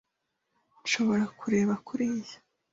Nshobora kureba kuriya?